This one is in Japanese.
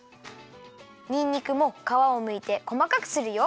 にんにくもかわをむいてこまかくするよ。